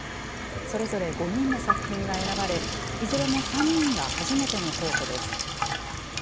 それぞれ５人の作品が選ばれ、いずれも３人が初めての候補です。